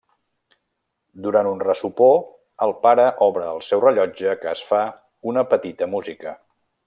Durant un ressopó, el pare obre el seu rellotge que es fa una petita música.